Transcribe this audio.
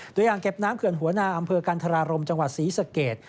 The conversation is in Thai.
โดยอ่างเก็บน้ำเขื่อนหัวนาอำเภอกันธรารมจังหวัดศรีสะเกด